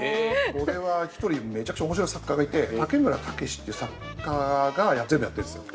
これは１人めちゃくちゃ面白い作家がいて竹村武司って作家が全部やってんですよ。